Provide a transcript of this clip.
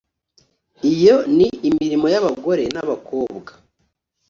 Iyo ni imirimo y’abagore n’abakobwa.